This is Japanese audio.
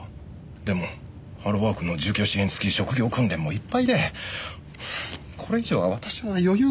でもハローワークの住居支援付き職業訓練もいっぱいでこれ以上は私も余裕が。